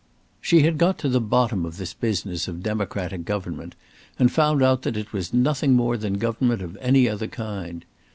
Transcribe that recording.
She had got to the bottom of this business of democratic government, and found out that it was nothing more than government of any other kind.